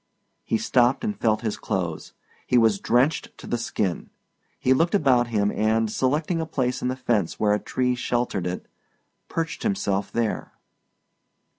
He stopped and felt his clothes. He was drenched to the skin. He looked about him and, selecting a place in the fence where a tree sheltered it, perched himself there.